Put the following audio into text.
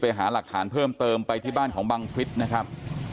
หาหลักฐานเพิ่มเติมไปที่บ้านของบังฟิศนะครับ